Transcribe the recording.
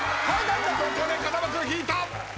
ここで風間君引いた！